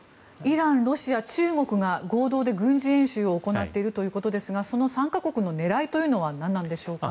イラン、ロシア、中国が合同で軍事演習を行っているということですがその３か国の狙いというのは何なんでしょうか。